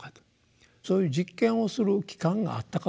そういう「実験」をする期間があったかどうかですね。